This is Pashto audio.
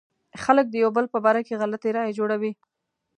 خلک د يو بل په باره کې غلطې رايې جوړوي.